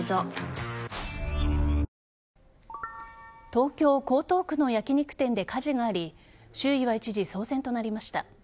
東京・江東区の焼き肉店で火事があり周囲は一時騒然となりました。